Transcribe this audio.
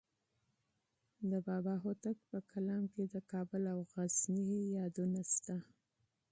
د بابا هوتک په کلام کې د کابل او غزني یادونه شته.